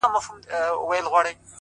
د زړه پاکوالی د فکر رڼا زیاتوي’